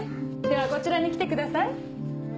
ではこちらに来てください。